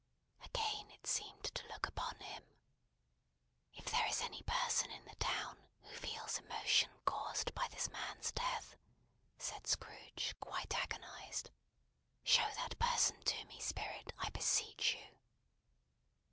Again it seemed to look upon him. "If there is any person in the town, who feels emotion caused by this man's death," said Scrooge quite agonised, "show that person to me, Spirit, I beseech you!"